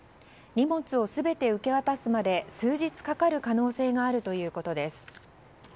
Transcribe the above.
荷物を全て受け渡すまで数日かかる可能性があるということです。